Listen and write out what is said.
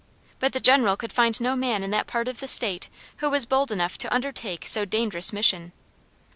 But the General could find no man in that part of the state who was bold enough to undertake so dangerous mission.